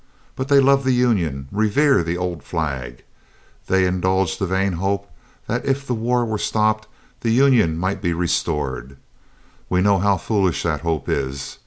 But they love the Union, revere the old flag. They indulge the vain hope that if the war were stopped, the Union might be restored. We know how foolish that hope is.